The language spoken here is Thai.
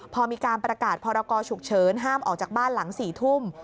พอมีการประกาศพรกรฉุกเฉินห้ามออกจากบ้านหลัง๔ทุ่ม